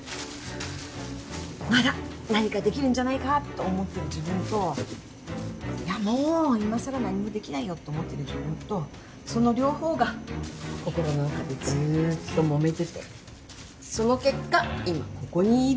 まだ何かできるんじゃないかと思ってる自分といやもういまさら何もできないよと思ってる自分とその両方が心の中でずっともめててその結果今ここにいる。